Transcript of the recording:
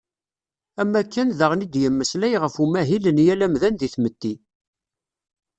Am wakken, daɣen i d-yemmeslay ɣef umahil n yal amdan deg tmetti.